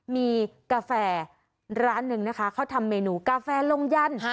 มีกาแฟร้านหนึ่งนะคะเขาทำเมนูกาแฟลงยัน